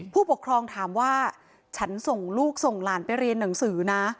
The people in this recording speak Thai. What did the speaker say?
ผู้ปกครองถามว่าฉันส่งลูกส่งหลานไปเรียนหนังสือนะ